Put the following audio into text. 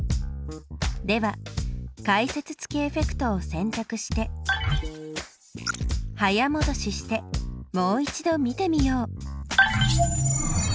では解説付きエフェクトをせんたくして早もどししてもう一度見てみよう。